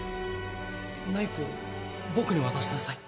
「ナイフを僕に渡しなさい」